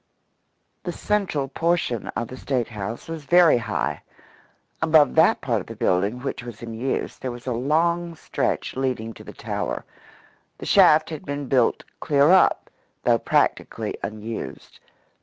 The central portion of the State house was very high. Above that part of the building which was in use there was a long stretch leading to the tower. The shaft had been built clear up, though practically unused.